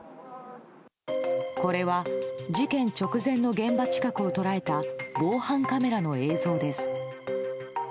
これは、事件直前の現場近くを捉えた防犯カメラの映像です。